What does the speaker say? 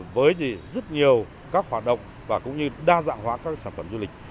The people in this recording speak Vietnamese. với rất nhiều các hoạt động và cũng như đa dạng hóa các sản phẩm du lịch